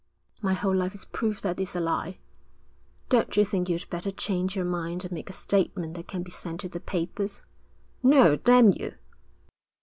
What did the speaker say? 'My whole life is proof that it's a lie.' 'Don't you think you'd better change your mind and make a statement that can be sent to the papers?' 'No, damn you!'